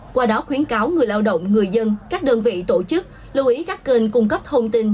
qua đó khuyến cáo người lao động người dân các đơn vị tổ chức lưu ý các kênh cung cấp thông tin